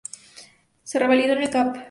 Se revalidó en el cap.